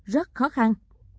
rất khó khăn